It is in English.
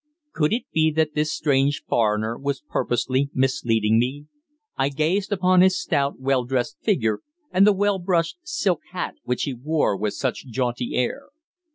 Could it be that this strange foreigner was purposely misleading me? I gazed upon his stout, well dressed figure, and the well brushed silk hat which he wore with such jaunty air.